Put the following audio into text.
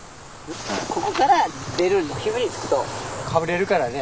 ここから出る指につくとかぶれるからね。